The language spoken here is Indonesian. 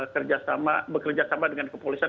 kerjasama bekerjasama dengan kepolisian